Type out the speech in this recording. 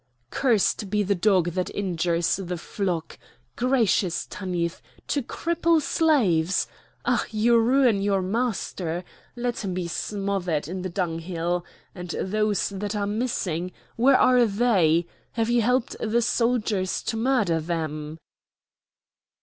"Cursed be the dog that injures the flock! Gracious Tanith, to cripple slaves! Ah! you ruin your master! Let him be smothered in the dunghill. And those that are missing? Where are they? Have you helped the soldiers to murder them?"